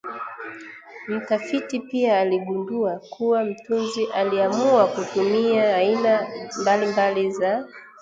Mtafiti pia aligundua kuwa mtunzi aliamua kutumia aina mbalimbali za